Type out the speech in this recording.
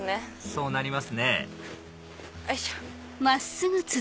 そうなりますねよいしょ。